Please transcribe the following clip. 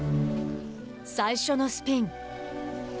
最初のスピン。